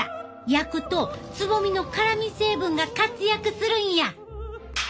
焼くとつぼみの辛み成分が活躍するんや。